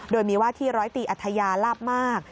โดยมีว่าที่ร้อยตีอัธยาลาบมาก